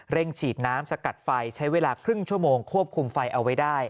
ฉีดน้ำสกัดไฟใช้เวลาครึ่งชั่วโมงควบคุมไฟเอาไว้ได้